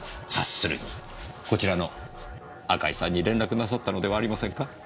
察するにこちらの赤井さんに連絡なさったのではありませんか？